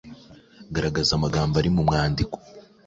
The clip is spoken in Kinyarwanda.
Garagaza amagambo ari mu mwandiko